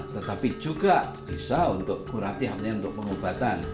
tetapi juga bisa untuk pengobatan